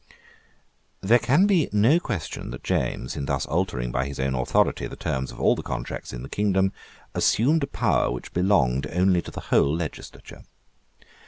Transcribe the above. There can be no question that James, in thus altering, by his own authority, the terms of all the contracts in the kingdom, assumed a power which belonged only to the whole legislature.